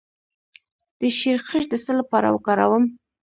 د شیرخشت د څه لپاره وکاروم؟